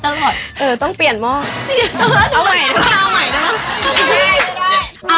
ถอดงั้นออกใหม่ได้มะ